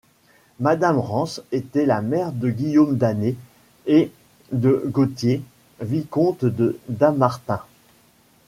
Madame Rance était la mère de Guillaume d'Annet et de Gauthier, vicomte de Dammartin.